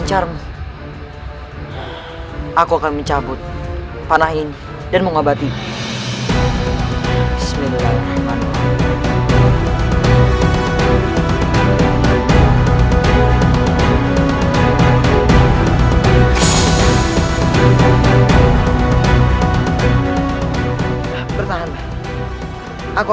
sampai jumpa di video selanjutnya